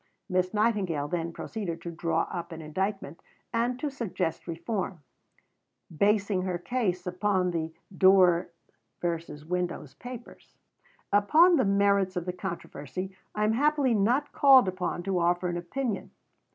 Miss Nightingale then proceeded to draw up an indictment, and to suggest reform, basing her case upon the "Doors versus Windows" papers. Upon the merits of the controversy I am happily not called upon to offer an opinion.